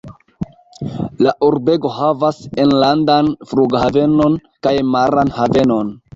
La urbego havas enlandan flughavenon kaj maran havenon.